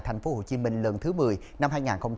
tp hcm lần thứ một mươi năm hai nghìn hai mươi bốn